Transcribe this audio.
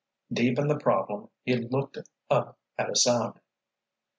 Deep in the problem he looked up at a sound.